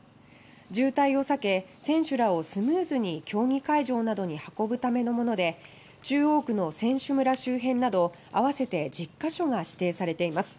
渋滞を避け、選手らをスムーズに競技会場などに運ぶためのもので中央区の選手村周辺など合わせて１０か所が指定されています。